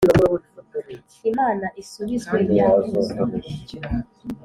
Imana isubizwe rya kuzo